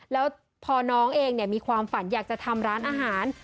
แล้วพอน้องเองมีความฝันอยากจะทำร้านอาหาร